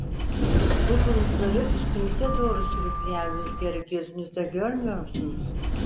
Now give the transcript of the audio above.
Bu bulutları üstümüze doğru sürükleyen rüzgârı gözünüzle görmüyor musunuz?